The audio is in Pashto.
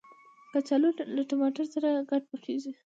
کچالو له ټماټر سره ګډ پخیږي